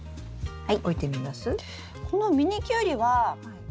はい。